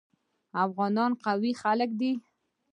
افغانان قوي خلک دي.